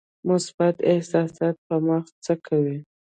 مثبت احساسات په مغز څه کوي؟